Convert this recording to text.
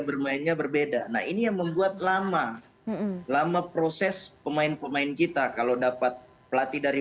bermainnya berbeda nah ini yang membuat lama lama proses pemain pemain kita kalau dapat pelatih dari